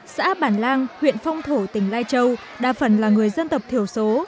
xã bản lang huyện phong thổ tỉnh lai châu đa phần là người dân tộc thiểu số